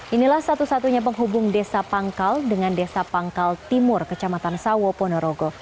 inilah satu satunya penghubung desa pangkal dengan desa pangkal timur kecamatan sawo ponorogo